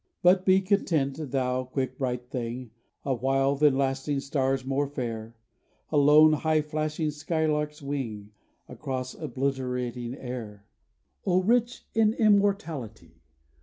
But be content, thou quick bright thing A while than lasting stars more fair: A lone high flashing skylark's wing Across obliterating air. O rich in immortality!